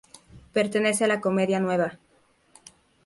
Pertenece a la Comedia nueva.